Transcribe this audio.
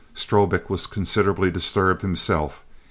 Strobik was considerably disturbed himself.